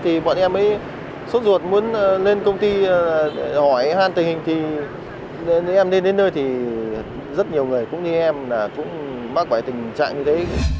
thì bọn em ấy sốt ruột muốn lên công ty hỏi hàn tình hình thì em nên đến nơi thì rất nhiều người cũng như em là cũng mắc vải tình trạng như thế